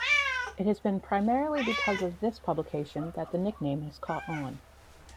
It has been primarily because of this publication that the nickname has caught on.